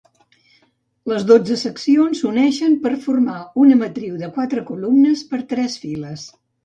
Les dotze seccions s'uneixen per a formar una matriu de quatre columnes per tres files.